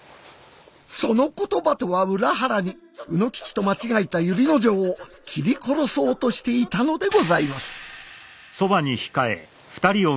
その言葉とは裏腹に卯之吉と間違えた由利之丞を斬り殺そうとしていたのでございます。